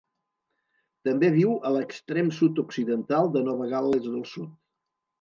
També viu a l'extrem sud-occidental de Nova Gal·les del Sud.